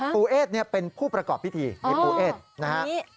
ปู่เอสเนี่ยเป็นผู้ประกอบพิธีในปู่เอสนะฮะ